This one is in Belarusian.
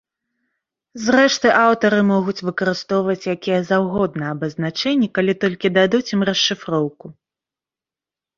Зрэшты, аўтары могуць выкарыстоўваць якія заўгодна абазначэнні, калі толькі дадуць ім расшыфроўку.